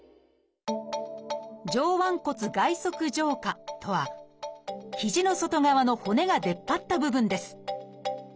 「上腕骨外側上顆」とは肘の外側の骨が出っ張った部分です。